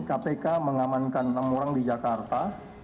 kpk mengamankan enam orang di jakarta